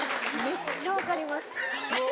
めっちゃ分かりますもう。